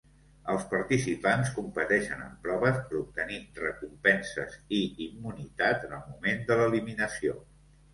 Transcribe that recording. Els participants competeixen en proves per obtenir recompenses i immunitat en el moment de l'eliminació.